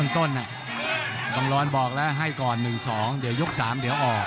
ต้นบังร้อนบอกแล้วให้ก่อน๑๒เดี๋ยวยก๓เดี๋ยวออก